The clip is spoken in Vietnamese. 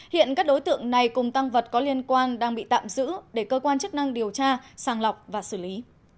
hiện các đối tượng này cùng tăng vật có liên quan đang bị tạm giữ để cơ quan chức năng điều tra sàng lọc và xử lý